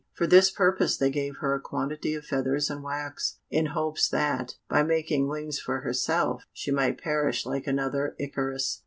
For this purpose they gave her a quantity of feathers and wax, in hopes that, by making wings for herself, she might perish like another Icarus.